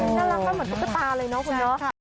น่ารักกว่าเหมือนปุ๊บปลาเลยเนอะคุณย้อ